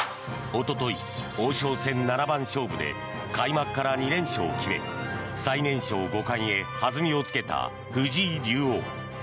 おととい、王将戦七番勝負で開幕から２連勝を決め最年少五冠へ弾みをつけた藤井竜王。